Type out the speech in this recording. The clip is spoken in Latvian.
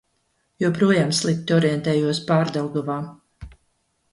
Joprojām slikti orientējos Pārdaugavā.